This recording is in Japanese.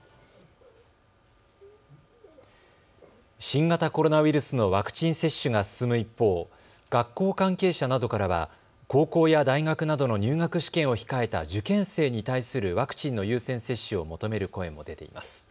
新型コロナウイルスのワクチン接種が進む一方、学校関係者などからは高校や大学などの入学試験を控えた受験生に対するワクチンの優先接種を求める声も出ています。